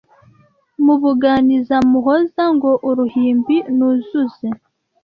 Mubuganiza muhoza Ngo uruhimbi nuzuze